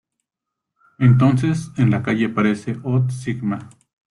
Entonces, en la calle aparece Ood Sigma.